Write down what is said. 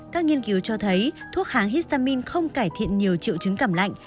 các nghiên cứu cho thấy thuốc kháng histamin không cải thiện nhiều triệu chứng cảm lạnh